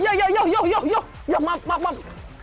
yah yah yah yah yah yah yah mam mam mam